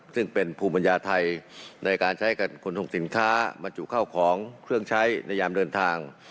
ซึ่งเป็นภูมิปัญญาไทยในการใช้การขนส่งสินค้าบรรจุเข้าของเครื่องใช้ในยามเดินทาง